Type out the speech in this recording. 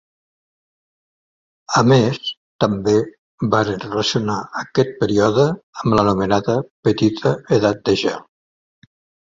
A més, també varen relacionar aquest període amb l'anomenada Petita Edat de Gel.